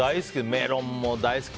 メロンも大好き。